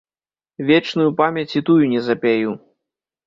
Вечную памяць і тую не запяю.